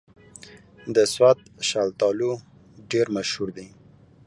د سوات شلتالو ډېر مشهور دي